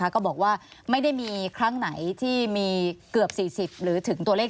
ก็บอกว่าไม่ได้มีครั้งไหนที่มีเกือบ๔๐หรือถึงตัวเลข